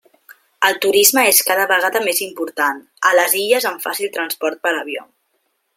El turisme és cada vegada més important, a les illes amb fàcil transport per avió.